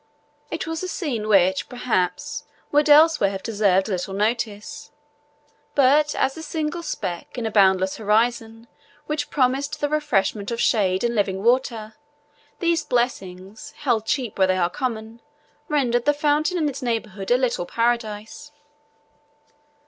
It was a scene which, perhaps, would elsewhere have deserved little notice; but as the single speck, in a boundless horizon, which promised the refreshment of shade and living water, these blessings, held cheap where they are common, rendered the fountain and its neighbourhood a little paradise.